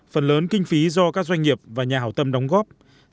phần lớn kinh phí do các doanh nghiệp và nhà hảo tâm đóng góp